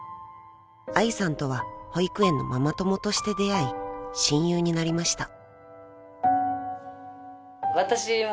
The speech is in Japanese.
［愛さんとは保育園のママ友として出会い親友になりました］